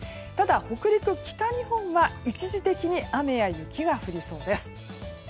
ただ、北陸、北日本は一時的に雨や雪が降りそうです。